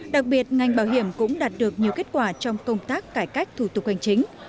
đặc biệt ngành bảo hiểm cũng đạt được nhiều kết quả trong công tác cải cách thủ tục hành chính